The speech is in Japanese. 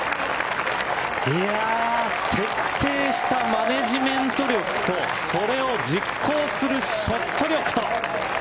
徹底したマネジメント力と、それを実行するショット力と。